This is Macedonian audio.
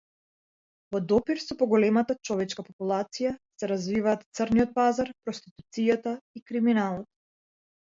Во допир со поголемата човечка популација се развиваат црниот пазар, проституцијата и криминалот.